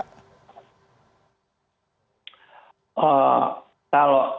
kalau untuk memahami